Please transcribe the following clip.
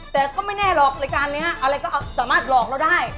แต่ก็ไม่แน่หรอกรายการนี้อะไรก็สามารถหลอกเราได้